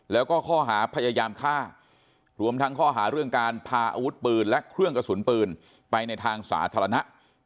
แล้วก็ข้อหาพยายามฆ่ารวมทั้งข้อหาเรื่องการพาอาวุธปืนและเครื่องกระสุนปืนไปในทางสาธารณะ